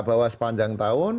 bawa sepanjang tahun